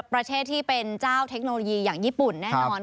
ประเทศที่เป็นเจ้าเทคโนโลยีอย่างญี่ปุ่นแน่นอน